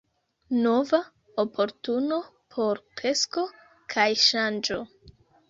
Nova oportuno por kresko kaj ŝanĝo.